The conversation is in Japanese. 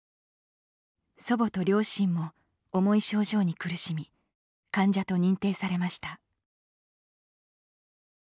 祖母と両親も重い症状に苦しみ患者と認定されました。